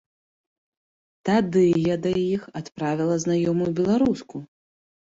Тады я да іх адправіла знаёмую беларуску.